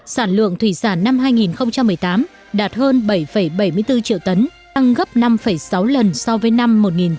sản lượng thủy sản năm hai nghìn một mươi tám đạt hơn bảy bảy mươi bốn triệu tấn tăng gấp năm sáu lần so với năm một nghìn chín trăm tám mươi